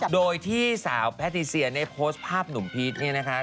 โดยที่สาวแพทติเซียได้โพสต์ภาพหนุ่มพีชเนี่ยนะคะ